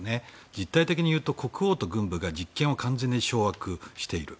実体的に言うと、国王と軍部が実権を掌握している。